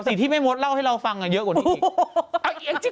ที่แม่มดเล่าให้เราฟังเยอะกว่านี้